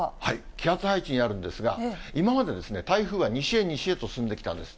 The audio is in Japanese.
気圧配置にあるんですが、今まで、台風は西へ西へと進んできたんです。